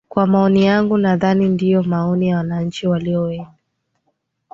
kwa maoni yangu nadhani ndiyo maoni ya wananchi walio wen